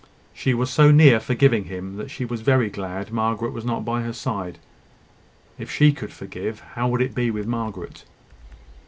She was so near forgiving him, that she was very glad Margaret was not by her side. If she could forgive, how would it be with Margaret?